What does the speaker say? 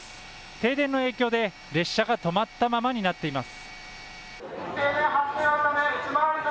停電の影響で列車が止まったままになっています。